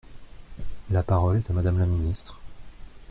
La parole est à Madame la ministre.